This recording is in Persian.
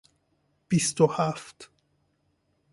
بیست و هفت